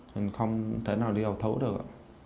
mình không thể nào đi hầu thú được ạ